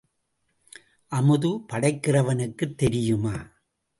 அமுது படைக்கிறவனுக்குத் தெரியுமா?